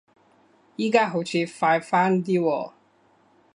而家好似快返啲喎